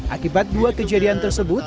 akibat dua kejadian tersebut